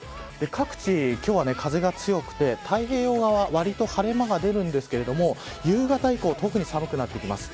各地、今日は風が強くて太平洋側はわりと晴れ間が出るんですけど夕方以降特に寒くなってきます。